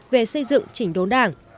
về xây dựng chỉnh đốn đảng